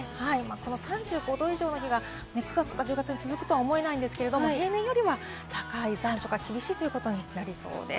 ３５度以上の日が９月・１０月に続くとは思えないんですけれども、平年より高い、残暑が厳しいということになりそうです。